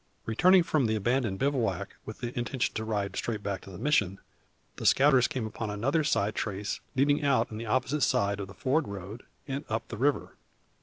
Returning from the abandoned bivouac, with the intention to ride straight back to the Mission, the scouters came upon another side trace leading out on the opposite side of the ford road, and up the river.